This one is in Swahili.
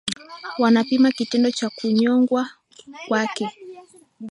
Wanapinga kitendo cha kunyongwa kwake